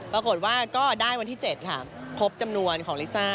ปรากฏว่าก็ได้วันที่๗ค่ะครบจำนวนของลิซ่า